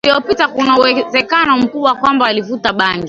uliopita Kuna uwezekano mkubwa kwamba walivuta bangi